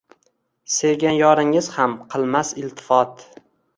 Sevgan yoringiz ham qilmas iltifot.